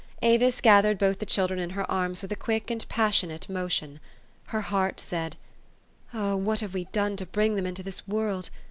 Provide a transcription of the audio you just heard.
Avis gathered both the children in her arms with a quick and passionate motion. Her heart said, " Oh! what have we done to bring them into this world?